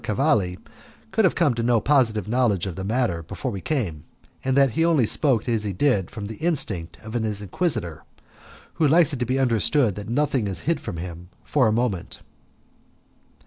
Cavalli could have had no positive knowledge of the matter before we came, and that he only spoke as he did from the instinct of an Inquisitor, who likes it to be understood that nothing is hid from him for a moment.